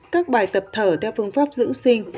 các bài tập thở theo phương pháp dưỡng sinh